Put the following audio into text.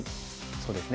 そうですね。